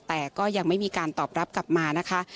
แต่ก็ยังไม่มีการตอบรับกลับมานะคะ